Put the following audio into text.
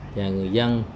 và người dân